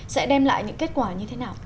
sẽ đem lại những kết quả như thế nào